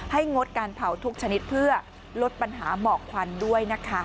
งดการเผาทุกชนิดเพื่อลดปัญหาหมอกควันด้วยนะคะ